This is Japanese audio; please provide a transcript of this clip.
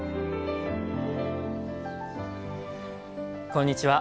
こんにちは。